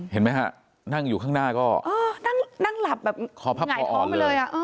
เห็นไหมครับนั่งอยู่ข้างหน้าก็อ๋อนั่งหลับแบบหง่ายท้องไปเลย